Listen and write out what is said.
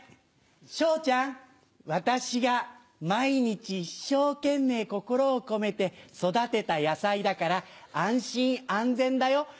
昇ちゃん、私が毎日、一生懸命心を込めて育てた野菜だから、安心安全だよ。